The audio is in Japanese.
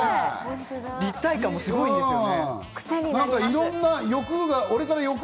立体感もすごいんですよね。